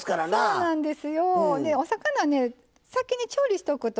そうなんです。